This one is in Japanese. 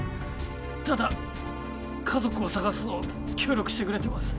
ただ家族を捜すのを協力してくれてます。